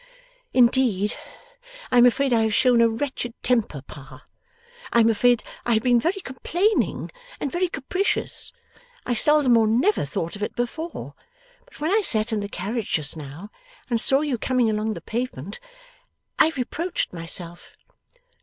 'Indeed I am afraid I have shown a wretched temper, Pa. I am afraid I have been very complaining, and very capricious. I seldom or never thought of it before. But when I sat in the carriage just now and saw you coming along the pavement, I reproached myself.